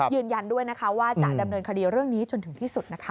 ยืนยันด้วยนะคะว่าจะดำเนินคดีเรื่องนี้จนถึงที่สุดนะคะ